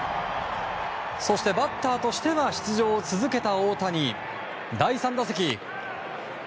そしてバッターとしては出場を続けた大谷、第３打席。